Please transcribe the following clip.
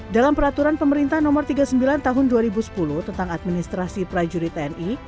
dalam peraturan pemerintah nomor tiga puluh sembilan tahun dua ribu sepuluh tentang administrasi prajurit tni